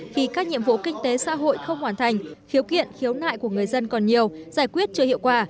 khi các nhiệm vụ kinh tế xã hội không hoàn thành khiếu kiện khiếu nại của người dân còn nhiều giải quyết chưa hiệu quả